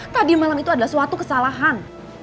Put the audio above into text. tadi malam itu adalah suatu kesalahan